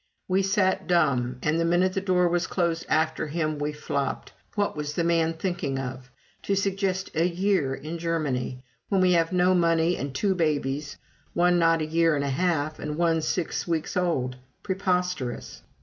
We sat dumb, and the minute the door was closed after him, we flopped. "What was the man thinking of to suggest a year in Germany, when we have no money and two babies, one not a year and a half, and one six weeks old!" Preposterous!